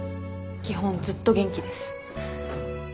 基本ずっと元気です。